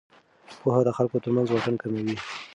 پوهه د خلکو ترمنځ واټن کموي.